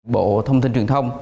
bộ thông tin truyền thông